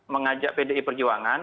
mengajak pdi perjuangan